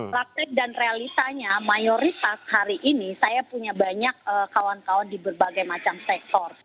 praktek dan realitanya mayoritas hari ini saya punya banyak kawan kawan di berbagai macam sektor